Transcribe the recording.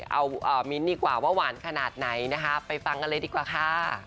เอามีนกว่าว่าหวานขนาดไหนไปฟังกันเลยดีกว่าค่ะ